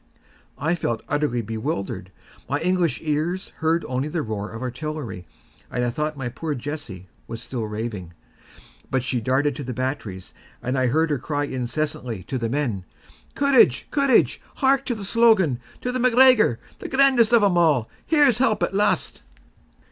I felt utterly bewildered; my English ears heard only the roar of artillery, and I thought my poor Jessie was still raving, but she darted to the batteries, and I heard her cry incessantly to the men: "Courage! courage! Hark to the slogan to the Macgregor, the grandest of them a'! Here's help at last!"